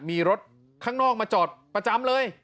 มีรถข้างนอกมาจอดประจำเลย